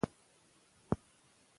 افغانانو د مظلومو مسلمانانو غږ واورېد.